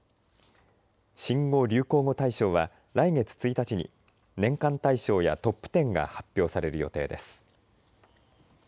新語・流行語大賞は来月１日に年間大賞やトップ１０が発表される予定です。